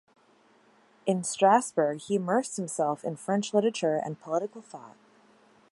In Strasbourg, he immersed himself in French literature and political thought.